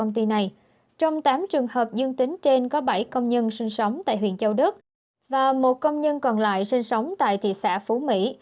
trong tám trường hợp dương tính trên có bảy công nhân sinh sống tại huyện châu đức và một công nhân còn lại sinh sống tại thị xã phú mỹ